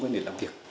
quân để làm việc